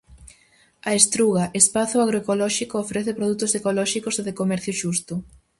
A Estruga, espazo agroecolóxico, ofrece produtos ecolóxicos e de comercio xusto.